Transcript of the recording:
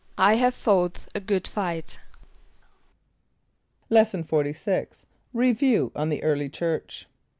="I have fought a good fight."= Lesson XLVI. Review on the Early Church.